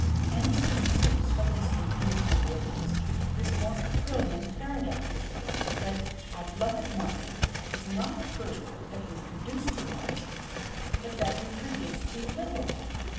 Hence ensues from this "confusion of words," this most brilliant paradox, that "a glutted market is not a proof that we produce too much but that we produce too little!